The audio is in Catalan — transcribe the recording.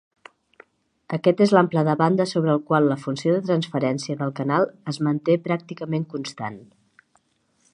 Aquest és l'ample de banda sobre el qual la funció de transferència del canal es manté pràcticament constant.